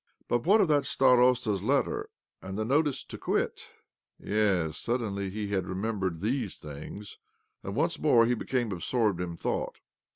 " But what of the stamsta's letter and the notice to quit ?" Yes, suddenly he had re membered these things ; and once more he became absorbed in thought.